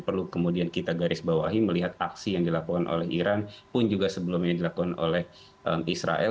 perlu kemudian kita garis bawahi melihat aksi yang dilakukan oleh iran pun juga sebelumnya dilakukan oleh israel